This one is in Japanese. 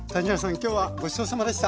今日はごちそうさまでした。